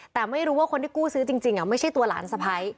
แต่ไม่รู้ว่าคนที่กู้ซื้อจริงไม่ใช่ตัวหลานสะพ้าย